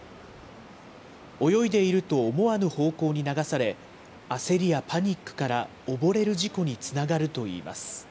泳いでいると思わぬ方向に流され、焦りやパニックから、溺れる事故につながるといいます。